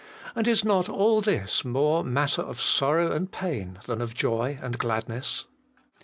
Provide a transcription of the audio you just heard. and is not all this more matter of sorrow and pain than of joy and gladness